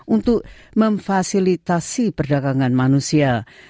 untuk memfasilitasi perdagangan manusia